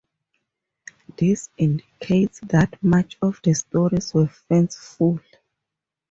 This indicates that much of the stories were fanciful.